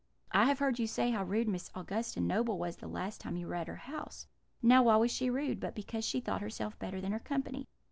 I have heard you say how rude Miss Augusta Noble was the last time you were at her house. Now, why was she rude, but because she thought herself better than her company?